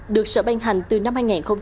được sở ban hành từ năm hai nghìn hai mươi một